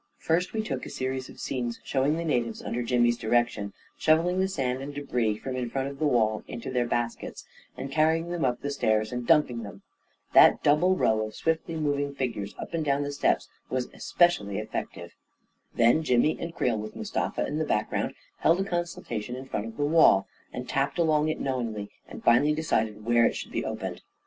First we took a series of scenes showing the na tives, under Jimmy's direction, shovelling the sand and debris from in front of the wall into their bas kets, and carrying them up the stairs and dumping them. That double row of swiftly moving figures up and down the steps was especially effective. Then Jimmy and Creel, with Mustafa in the back ground, held a consultation in front of the wall, and tapped along it knowingly, and finally decided where it should be opened.